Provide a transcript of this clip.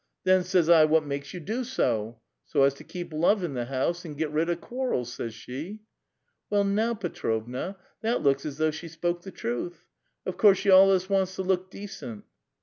*Then,' says I, ' wliat makes you do so?' ' So as to keep love in the house and git rid of quarrels,' says she. " Well now, Petrovna, that looks as though she spoke the truth. Of course, she alius wants to look decent